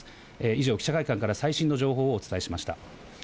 以上、記者会館から最新の情報をお伝えしました。